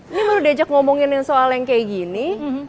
ini baru diajak ngomongin soal yang kayak gini